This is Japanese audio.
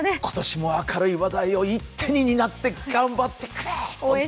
今年も明るい話題を一手に担って頑張ってくれ。